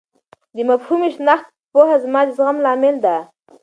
د مفهومي شناخت پوهه زما د زغم لامل ده.